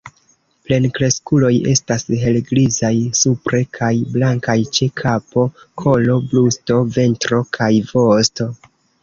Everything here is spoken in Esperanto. Plenkreskuloj estas helgrizaj supre kaj blankaj ĉe kapo, kolo, brusto, ventro kaj vosto.